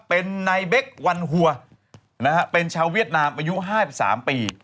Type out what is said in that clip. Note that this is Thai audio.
เป็นนายเบควันหัวเป็นชาวเวียดนามอายุ๕๓ปี